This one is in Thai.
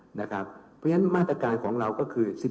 เพราะฉะนั้นมาตรการของเราก็คือ